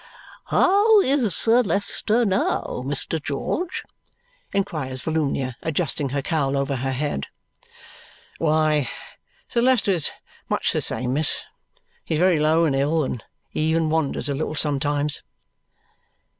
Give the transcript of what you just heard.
"How is Sir Leicester now, Mr. George?" inquires Volumnia, adjusting her cowl over her head. "Why, Sir Leicester is much the same, miss. He is very low and ill, and he even wanders a little sometimes."